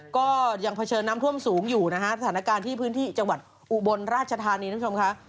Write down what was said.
ก็ยังเผชิญน้ำท่วมสูงอยู่นะฮะสถานการณ์ที่พื้นที่จังหวัดอุบลราชธานีท่านผู้ชมค่ะ